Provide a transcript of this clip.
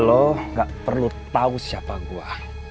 lo gak perlu tahu siapa gua